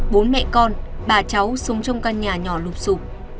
bố mẹ con bà cháu sống trong căn nhà nhỏ lụp sụp